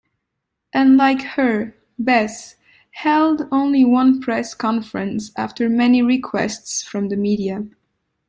Unlike her, Bess held only one press conference after many requests from the media.